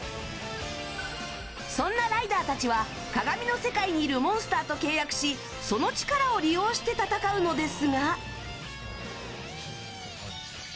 そんなライダーたちは鏡の世界にいるモンスターと契約しその力を利用して戦うのですが。